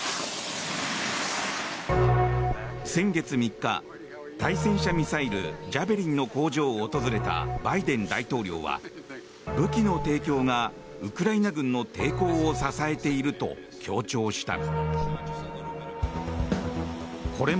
先月３日、対戦車ミサイルジャベリンの工場を訪れたバイデン大統領は武器の提供がウクライナ軍の抵抗を支えていると強調した。